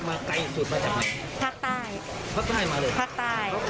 ไกลสุดมาจากไหนภาคใต้ภาคใต้มาเลยภาคใต้